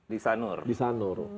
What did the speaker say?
di sanur di sanur